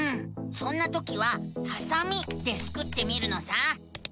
そんなときは「はさみ」でスクってみるのさ！